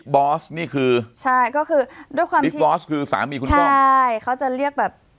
บอสนี่คือใช่ก็คือด้วยความบิ๊กบอสคือสามีคุณก้องใช่เขาจะเรียกแบบ